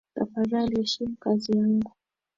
Tafadhali heshimu kazi yangu